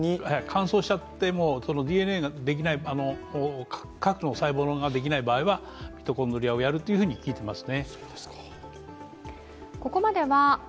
乾燥しちゃって、核の細胞ができない場合はミトコンドリアをやるというふうに聞いています。